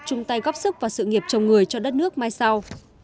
chung tay góp sức vào sự nghiệp chồng người cho đất nước mai sau